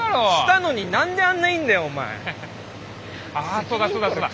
あそうだそうだそうだ。